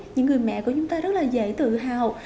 những người mẹ của chúng ta rất là dễ tự hào